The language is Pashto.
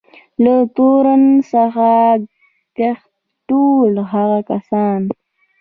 له تورن څخه کښته ټول هغه کسان.